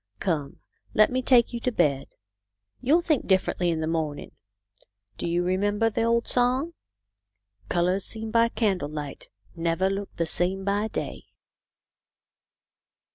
" Come, let me take you to bed. You'll think differently in the morning. Do you remember the old song ?" Colours seen by candle light Never look the same by day.'